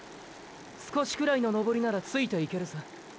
少しくらいの登りならついていけるさ。